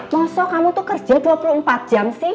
masa kamu kerja dua puluh empat jam sih